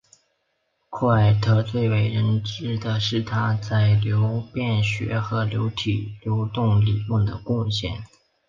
库埃特最为人所知的是他在流变学和流体流动理论的贡献。